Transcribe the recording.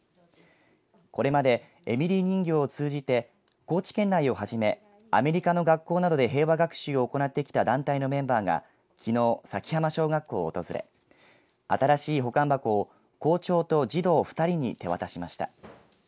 これまでエミリー人形を通じて高知県内をはじめアメリカの学校などで平和学習を行ってきた団体のメンバーがきのう佐喜浜小学校を訪れ新しい保管箱を校長と児童２人に手渡しました。